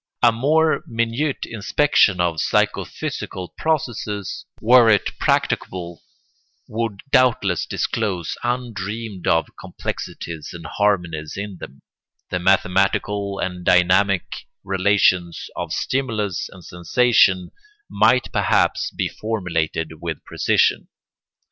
A more minute inspection of psycho physical processes, were it practicable, would doubtless disclose undreamed of complexities and harmonies in them; the mathematical and dynamic relations of stimulus and sensation might perhaps be formulated with precision.